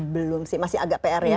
belum sih masih agak pr ya